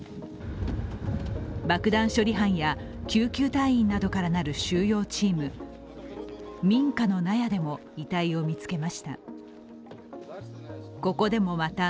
爆弾処理班や救急隊員などから成る収容チーム、民家の納屋でも遺体を見つけました。